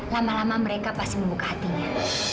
lama lama mereka pasti membuka hatinya